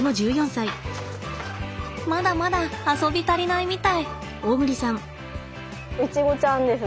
まだまだ遊び足りないみたい。